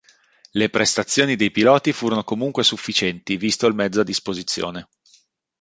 Le prestazioni dei piloti furono comunque sufficienti visto il mezzo a disposizione.